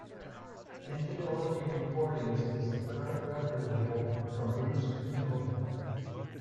In-Fidelity Recordings is the current record label from Bruce Milne.